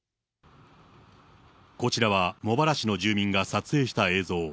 こちらは茂原市の住民が撮影した映像。